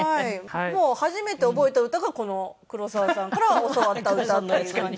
もう初めて覚えた歌がこの黒沢さんから教わった歌という感じです。